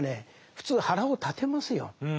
普通腹を立てますよ。